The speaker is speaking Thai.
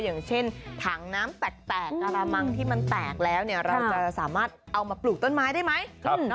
อย่างเช่นถังน้ำแตกกระมังที่มันแตกแล้วเราจะสามารถเอามาปลูกต้นไม้ได้ไหม